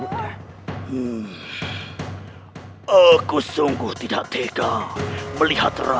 jika rangga soka sudah di matthew pointenda in vietnam